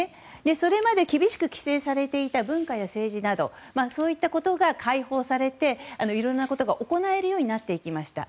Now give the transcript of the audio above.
それまで厳しく規制されていた文化や政治などそういったことが解放されていろんなことが行えるようになっていきました。